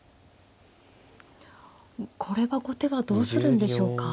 これは後手はどうするんでしょうか。